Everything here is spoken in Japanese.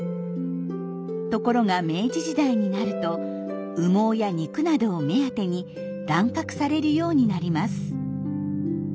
ところが明治時代になると羽毛や肉などを目当てに乱獲されるようになります。